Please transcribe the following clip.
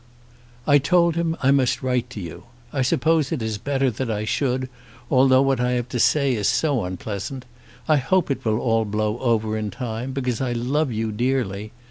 I told him I must write to you. I suppose it is better that I should, although what I have to say is so unpleasant. I hope it will all blow over in time, because I love you dearly.